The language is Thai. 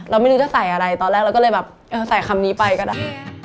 เราไม่รู้จะใส่อะไรตอนแรกเราก็เลยแบบเออใส่คำนี้ไปก็ได้